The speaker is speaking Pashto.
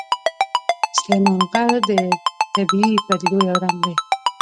سلیمان غر د طبیعي پدیدو یو رنګ دی.